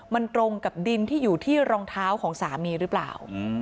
มันตรงกับดินที่อยู่ที่รองเท้าของสามีหรือเปล่า